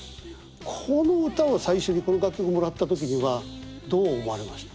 この歌を最初にこの楽曲もらった時にはどう思われました？